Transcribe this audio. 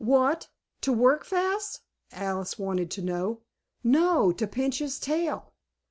"What, to work fast?" Alice wanted to know. "No, to pinch his tail."